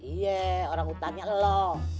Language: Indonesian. iya orang hutannya leloh